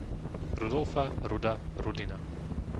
Rudolfa, Ruda, Rudina